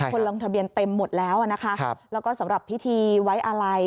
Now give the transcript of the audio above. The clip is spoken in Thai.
คนลงทะเบียนเต็มหมดแล้วนะคะแล้วก็สำหรับพิธีไว้อาลัย